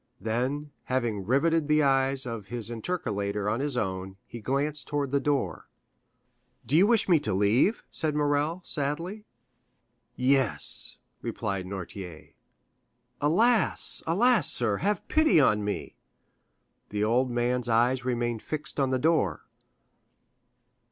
Then, having riveted the eyes of his interlocutor on his own, he glanced towards the door. "Do you wish me to leave?" said Morrel, sadly. "Yes," replied Noirtier. "Alas, alas, sir, have pity on me!" The old man's eyes remained fixed on the door.